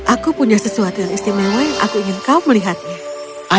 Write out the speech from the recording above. aku punya sesuatu yang istimewa yang aku ingin kau melihatnya